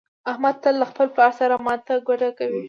احمد تل له خپل پلار سره ماته ګوډه کوي.